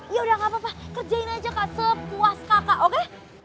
yaudah gapapa kerjain aja kak sepuas kakak oke